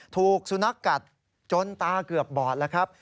ถูกสุนัขกัดจนตาเกือบบอดแล้วครับ